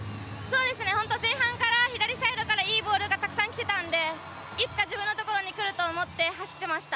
前半から左サイドからいいボールがたくさんきてたのでいつか、自分のところにくると思って、走っていました。